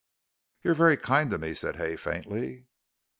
"You're very kind to me," said Hay, faintly.